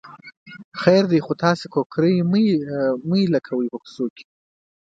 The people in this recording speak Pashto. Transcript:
خیر دی خو تاسې کوکری مه خوشې کوئ په کوڅو کې.